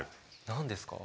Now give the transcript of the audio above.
何ですか？